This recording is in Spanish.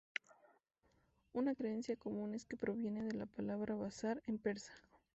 Una creencia común es que proviene de la palabra "bazar" en persa.